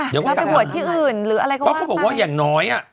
แล้วไปบวชที่อื่นหรืออะไรก็ว่าไปเค้าบอกว่าอย่างน้อย